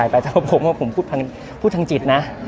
พูดทางจิตนะ